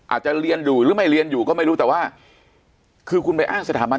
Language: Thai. อาจจะเรียนอยู่หรือไม่เรียนอยู่ก็ไม่รู้แต่ว่าคือคุณไปอ้างสถาบัน